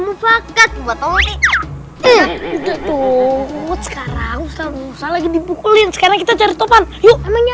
mufakat buat om nek udah tot sekarang usah lagi dibukulin sekarang kita cari topan yuk emangnya